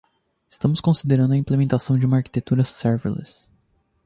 Estamos considerando a implementação de uma arquitetura serverless.